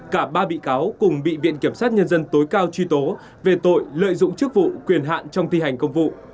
cả ba bị cáo cùng bị viện kiểm sát nhân dân tối cao truy tố về tội lợi dụng chức vụ quyền hạn trong thi hành công vụ